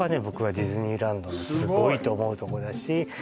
僕はディズニーランドのすごいと思うとこだしすごい！